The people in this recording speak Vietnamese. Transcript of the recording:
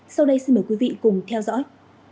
sau đây xin mời quý vị cùng theo dõi